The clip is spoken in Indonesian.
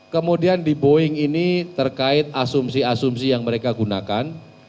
kemudian di boeing ini terkait asumsi asumsi yang mereka gunakan